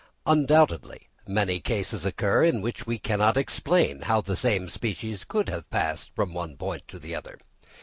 Undoubtedly many cases occur in which we cannot explain how the same species could have passed from one point to the other.